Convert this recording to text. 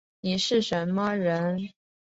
你是什么人